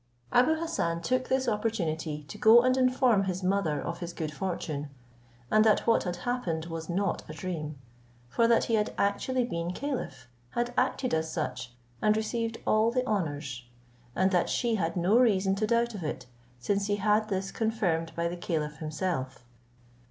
Abou Hassan took this opportunity to go and inform his mother of his good fortune, and that what had happened was not a dream; for that he had actually been caliph, had acted as such, and received all the honours; and that she had no reason to doubt of it, since he had this confirmed by the caliph himself.